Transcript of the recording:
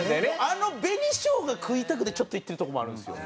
あの紅しょうが食いたくてちょっと行ってるとこもあるんですよ。